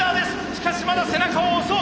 しかしまだ背中を押そう！